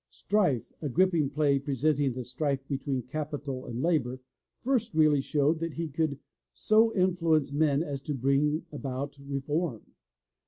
Strife, a gripping play presenting the strife between Capital and Labor, first really showed that he could so influence men as to bring about reform.